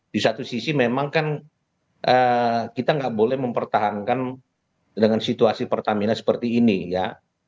di satu sisi memang kan kita nggak boleh mempertahankan dengan situasi pertamina seperti ini ya